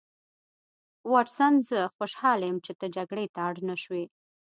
واټسن زه خوشحاله یم چې ته جګړې ته اړ نشوې